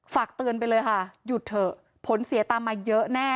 ฝากเตือนไปเลยค่ะหยุดเถอะผลเสียตามมาเยอะแน่